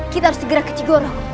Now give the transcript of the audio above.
kita harus segera ke cigoro